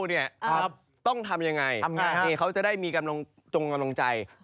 ถ้าเข้าต้องทำอย่างไรเขาจะได้มีกำลังใจ